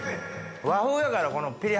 和風やからこのぴり